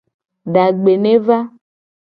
Dagbe ne va.